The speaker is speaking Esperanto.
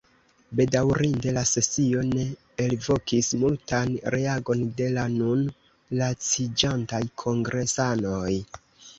Bedaŭrinde la sesio ne elvokis multan reagon de la nun laciĝantaj kongresanoj.